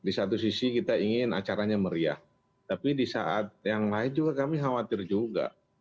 di satu sisi kita ingin acaranya meriah tapi di saat yang lain juga kami khawatir juga